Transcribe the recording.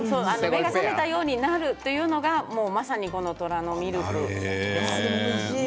目が覚めたようになるというのがまさに虎のミルクです。